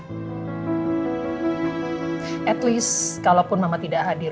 setidaknya kalaupun mama tidak hadir